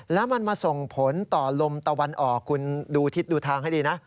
แล้วมันมาส่งผลต่อลมตะวันออกคุณดูทิศดูทางให้ดีนะ